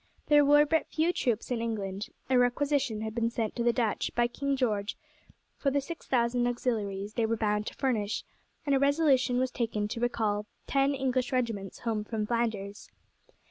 There were but few troops in England. A requisition had been sent to the Dutch by King George for the six thousand auxiliaries they were bound to furnish, and a resolution was taken to recall ten English regiments home from Flanders.